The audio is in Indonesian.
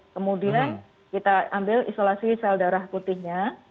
kemudian kita ambil isolasi sel darah putihnya